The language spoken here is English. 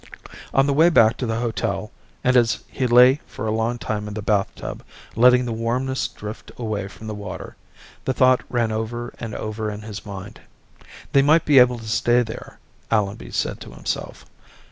On the way back to the hotel, and as he lay for a long time in the bathtub, letting the warmness drift away from the water, the thought ran over and over in his mind. They might be able to stay there, Allenby said to himself.